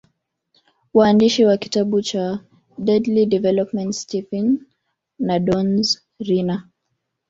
Waandishi wa kitabu cha Deadly Developments Stephen na Downs Reyna